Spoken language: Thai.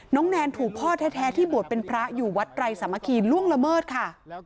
แนนถูกพ่อแท้ที่บวชเป็นพระอยู่วัดไรสามัคคีล่วงละเมิดค่ะ